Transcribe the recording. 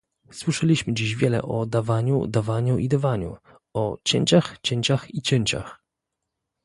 Słyszeliśmy dziś wiele o dawaniu, dawaniu i dawaniu, o cięciach, cięciach i cięciach